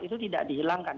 itu tidak dihilangkan